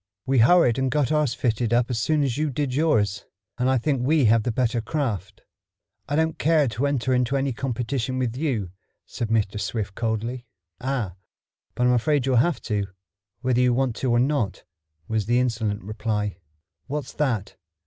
We hurried and got ours fitted up almost as soon as you did yours, and I think we have the better craft." "I don't care to enter into any competition with you," said Mr. Swift coldly. "Ah, but I'm afraid you'll have to, whether you want to or not," was the insolent reply. "What's that?